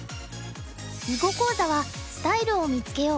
囲碁講座は「スタイルを見つけよう」。